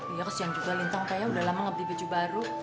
iya siang juga lintang kayaknya udah lama ngebeli baju baru